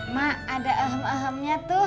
mak ada ahem ahemnya tuh